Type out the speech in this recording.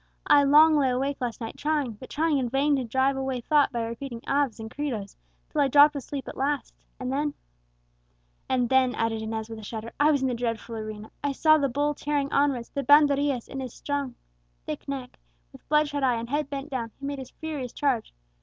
I long lay awake last night trying, but trying in vain, to drive away thought by repeating aves and credos, till I dropped asleep at last, and then and then," added Inez with a shudder, "I was in the dreadful arena! I saw the bull tearing onwards, the banderillas in his thick strong neck; with bloodshot eye, and head bent down, he made his furious charge!